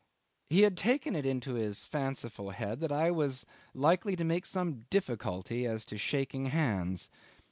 He had taken it into his fanciful head that I was likely to make some difficulty as to shaking hands.